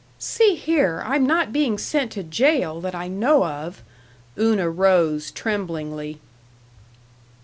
"See here, I'm not being sent to jail that I know of!" Una rose, tremblingly.